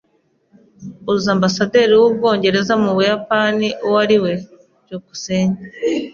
Uzi Ambasaderi w’Ubwongereza mu Buyapani uwo ari we? byukusenge